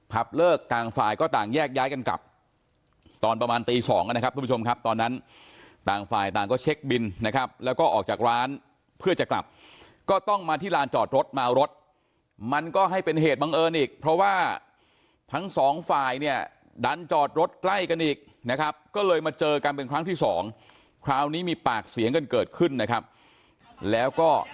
เลิกต่างฝ่ายก็ต่างแยกย้ายกันกลับตอนประมาณตีสองนะครับทุกผู้ชมครับตอนนั้นต่างฝ่ายต่างก็เช็คบินนะครับแล้วก็ออกจากร้านเพื่อจะกลับก็ต้องมาที่ลานจอดรถมาเอารถมันก็ให้เป็นเหตุบังเอิญอีกเพราะว่าทั้งสองฝ่ายเนี่ยดันจอดรถใกล้กันอีกนะครับก็เลยมาเจอกันเป็นครั้งที่สองคราวนี้มีปากเสียงกันเกิดขึ้นนะครับแล้วก็